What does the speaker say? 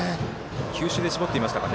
球種で絞っていますか。